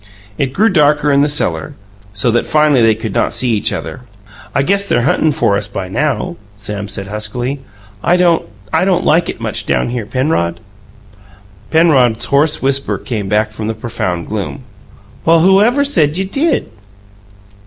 It grew darker in the cellar, so that finally they could not see each other. "I guess they're huntin' for us by now," Sam said huskily. "I don't I don't like it much down here, Penrod." Penrod's hoarse whisper came from the profound gloom: "Well, who ever said you did?"